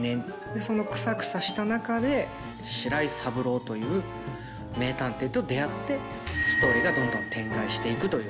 そのクサクサした中で白井三郎という名探偵と出会ってストーリーがどんどん展開していくという。